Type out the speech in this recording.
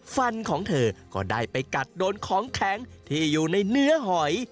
ฟันของเธอก็ได้ไปกัดโดนของแข็งที่อยู่ในเนื้อหอย